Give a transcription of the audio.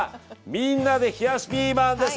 みんなで冷やしピーマンです。